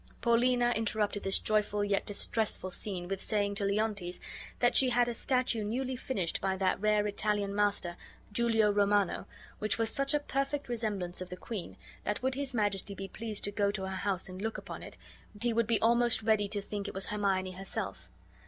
Paulina interrupted this joyful yet distressful scene with saying to Leontes that she had a statue newly finished by that rare Italian master, Julio Romano, which was such a perfect resemblance of the queen that would his Majesty be pleased to go to her house and look upon it, be would be almost ready to think it was Hermione herself.